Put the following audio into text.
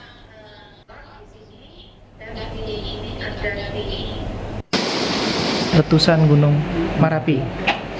badan meteorologi klimatologi dan geofisika memprediksi bahwa hujan susulan mengalami erupsi